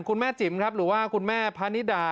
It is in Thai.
คุณแม่จิ๋มครับหรือว่าคุณแม่พะนิดา